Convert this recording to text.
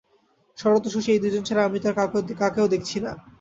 শরৎ ও শশী এই দুইজন ছাড়া আমি তো আর কাকেও দেখছি না।